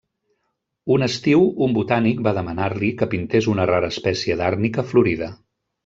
Un estiu un botànic va demanar-li que pintés una rara espècie d'àrnica florida.